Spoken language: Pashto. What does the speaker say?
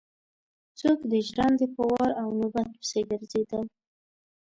څوک د ژرندې په وار او نوبت پسې ګرځېدل.